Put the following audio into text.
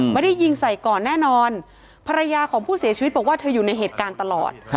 ไม่ได้ยิงใส่ก่อนแน่นอนภรรยาของผู้เสียชีวิตบอกว่าเธออยู่ในเหตุการณ์ตลอด